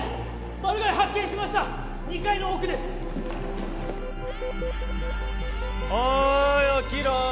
マルガイ発見しました２階の奥ですおい起きろ！